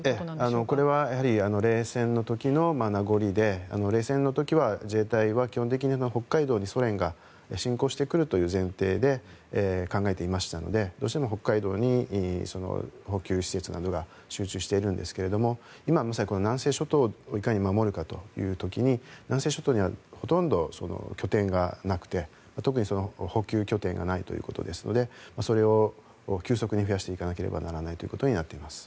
これはやはり冷戦の時の名残で冷戦の時は、自衛隊は基本的に北海道にソ連が侵攻してくる前提で考えていましたのでどうしても北海道に補給施設などが集中しているんですけれども今は南西諸島をいかに守るかという時に南西諸島にはほとんど拠点がなくて特に補給拠点がないということですのでそれを急速に増やさなければならなくなっています。